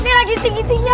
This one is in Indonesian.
ini lagi tinggi tingginya